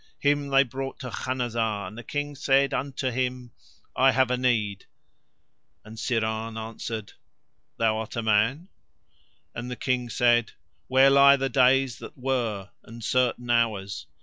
Him they brought to Khanazar, and the King said unto him: "I have a need." And Syrahn answered: "Thou art a man." And the King said: "Where lie the days that were and certain hours?"